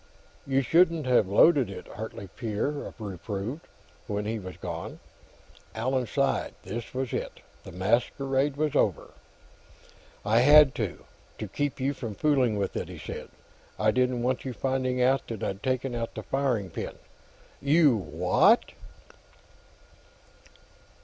"You shouldn't have loaded it," Hartley père reproved, when he was gone. Allan sighed. This was it; the masquerade was over. "I had to, to keep you from fooling with it," he said. "I didn't want you finding out that I'd taken out the firing pin." "You what?"